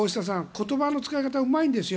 言葉の使い方がうまいんですよ。